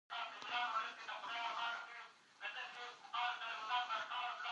مزارشریف د افغانستان د طبیعت د ښکلا برخه ده.